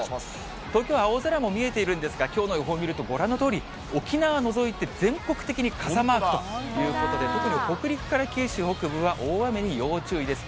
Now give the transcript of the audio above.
東京は青空も見えているんですが、きょうの予報見ると、ご覧のとおり、沖縄を除いて全国的に傘マークということで、特に北陸から九州北部は大雨に要注意です。